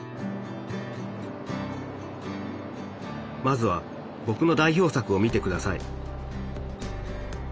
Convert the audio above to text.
まずはぼくの代表作を見てください